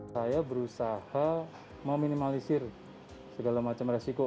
saya berusaha meminimalisir segala macam resiko